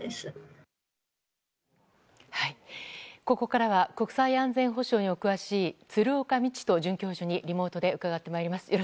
ここからは、国際安全保障にお詳しい鶴岡路人准教授にリモートで伺ってまいります。